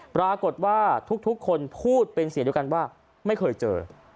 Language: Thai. ปรากฏว่าทุกคนพูดเป็นเสียงเดียวกันว่าไม่เคยเจอ